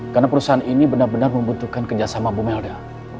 karena perusahaan ini benar benar membutuhkan kerjasama bumelda